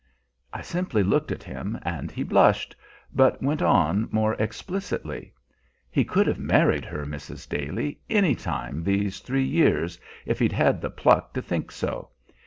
I simply looked at him, and he blushed, but went on more explicitly. "He could have married her, Mrs. Daly, any time these three years if he'd had the pluck to think so.